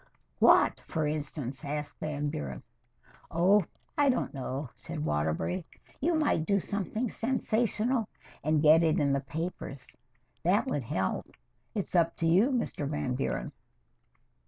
"What, for instance?" asked Van Buren "Oh, I don't know," said Waterbury. "You might do something sensational and get it in the papers. That would help. It's up to you, Mr. Van Buren."